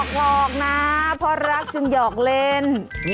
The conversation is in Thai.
หยอกหลอกนะพอรักจึงหยอกเล่น